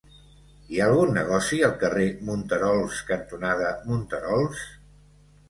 Hi ha algun negoci al carrer Monterols cantonada Monterols?